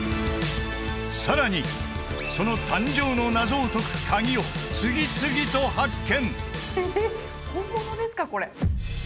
さらにその誕生の謎を解くカギを次々と発見！